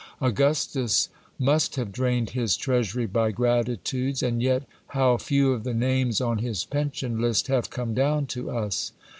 Augustus must have drained his treasury by gratuities, and yet how few of the names on his pension list have come down to us